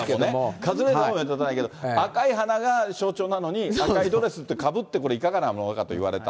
カズレーザーも目立たないけど、象徴なのに、赤いドレスとかぶって、これいかがなものかと言われた。